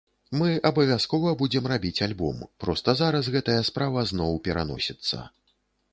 Мы абавязкова будзем рабіць альбом, проста зараз гэтая справа зноў пераносіцца.